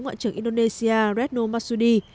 ngoại trưởng indonesia retno masudi